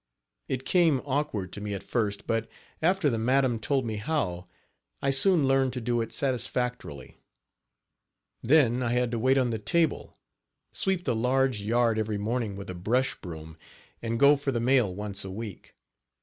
It came awkward to me at first, but, after the madam told me how, I soon learned to do it satisfactorily. Then I Page 18 had to wait on the table; sweep the large yard every morning with a brush broom and go for the mail once a week.